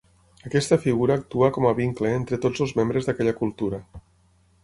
Aquesta figura actua com a vincle entre tots els membres d'aquella cultura.